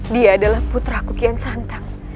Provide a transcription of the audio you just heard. dia adalah putra kukian santang